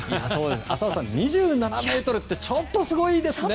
浅尾さん、２７ｍってちょっとすごいですね。